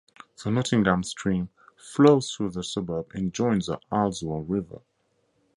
The Nottingham Stream flows through the suburb and joins the Halswell River.